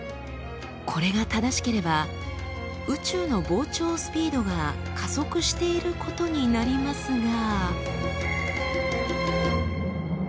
これが正しければ宇宙の膨張スピードが加速していることになりますが。